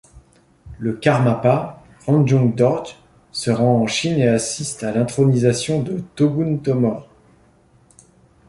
Le karmapa, Rangjung Dorje, se rend en Chine et assiste à l'intronisation de Togoontomor.